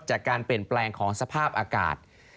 จากการเปลี่ยนแปลงของสภาพอากาศ